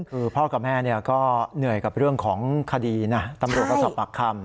คือพ่อกับแม่ก็เหนื่อยกับเรื่องของคดีนะตำรวจก็สอบปากคำ